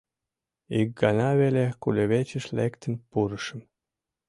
Ик гана веле кудывечыш лектын пурышым.